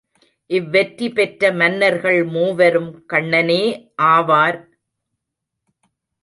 இவ்வெற்றி பெற்ற மன்னர்கள் மூவரும் கண்ணனே ஆவர் என்று பாடினர்.